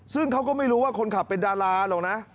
ซึ่งเขาก็ไม่รู้ว่าคนขับเป็นดาราหรอกนะ